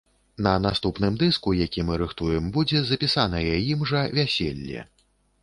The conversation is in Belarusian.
На наступным дыску, які мы рыхтуем, будзе запісанае ім жа вяселле.